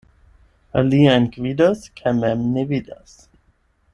Aliajn gvidas kaj mem ne vidas.